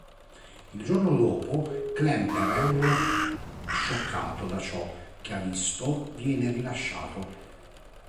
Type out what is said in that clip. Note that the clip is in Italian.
Il giorno dopo Klemperer, scioccato da ciò che ha visto, viene rilasciato.